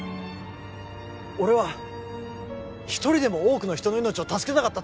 俺は一人でも多くの人の命を助けたかった